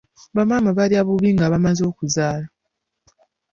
Bamaama balya bubi nga bamaze okuzaala.